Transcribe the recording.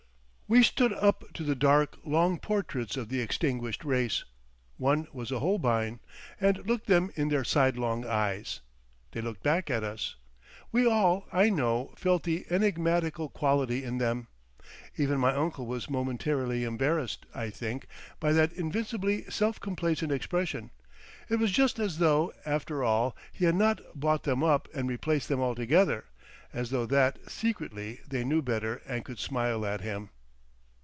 We stood up to the dark, long portraits of the extinguished race—one was a Holbein—and looked them in their sidelong eyes. They looked back at us. We all, I know, felt the enigmatical quality in them. Even my uncle was momentarily embarrassed, I think, by that invincibly self complacent expression. It was just as though, after all, he had not bought them up and replaced them altogether; as though that, secretly, they knew better and could smile at him.